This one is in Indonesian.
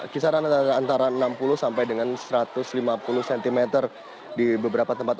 kisaran antara enam puluh sampai dengan satu ratus lima puluh cm di beberapa tempat